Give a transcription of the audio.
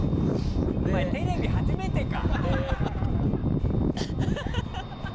お前、テレビ初めてか！